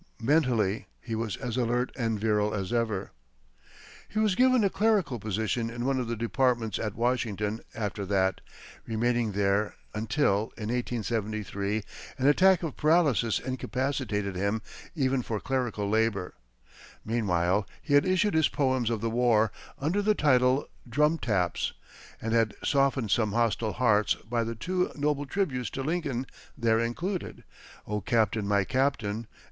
Mentally, he was as alert and virile as ever. He was given a clerical position in one of the departments at Washington after that, remaining there until, in 1873, an attack of paralysis incapacitated him even for clerical labor. Meanwhile he had issued his poems of the war, under the title "Drum Taps," and had softened some hostile hearts by the two noble tributes to Lincoln there included, "O Captain, my Captain!"